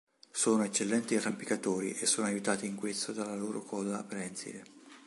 Sono eccellenti arrampicatori e sono aiutati in questo dalla loro coda prensile.